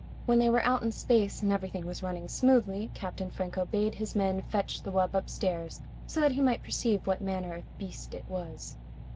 When they were out in space and everything was running smoothly, Captain Franco bade his men fetch the wub upstairs so that he might perceive what manner of beast it was.